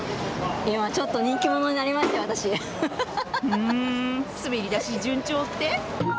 うん滑り出し順調って？